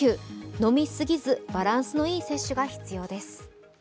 飲み過ぎず、バランスのいい摂取が必要です。